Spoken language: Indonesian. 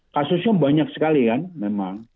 kasusnya banyak sekali kan memang